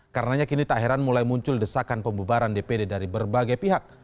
karenanya kini tak heran mulai muncul desakan pembubaran dpd dari berbagai pihak